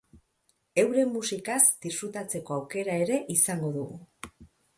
Euren musikaz disfrutatzeko aukera ere izan dugu.